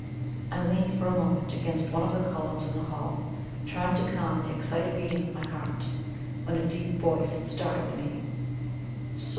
I leaned for a moment against one of the columns in the hall, trying to calm the excited beating of my heart, when a deep voice startled me: "So!